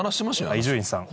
伊集院さん。